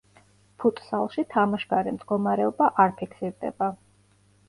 ფუტსალში თამაშგარე მდგომარეობა არ ფიქსირდება.